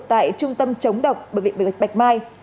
tại trung tâm chống độc bệnh viện bạch mai